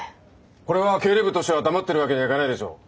これは経理部としては黙ってるわけにはいかないでしょう。